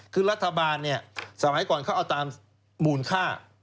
คือรัฐบาลเนี่ยสมัยก่อนเขาเอาตามมูลค่า